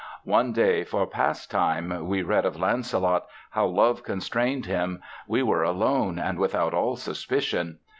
"'One day, for pastime, we read of Lancelot, how love constrained him. We were alone, and without all suspicion.